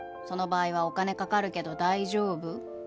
その場合はお金かかるけど大丈夫？